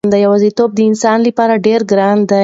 یوازېتوب د انسان لپاره ډېر ګران دی.